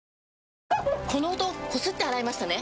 この音こすって洗いましたね？